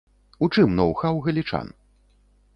У чым ноў-хаў галічан?